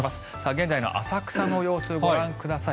現在の浅草の様子ご覧ください。